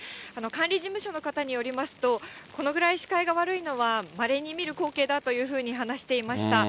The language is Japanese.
管理事務所の方によりますと、このぐらい視界が悪いのは、まれに見る光景だというふうに話していました。